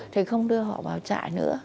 thì không đưa họ vào trại nữa